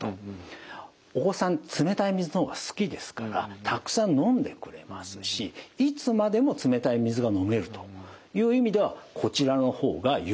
お子さん冷たい水の方が好きですからたくさん飲んでくれますしいつまでも冷たい水が飲めるという意味ではこちらの方が有効です。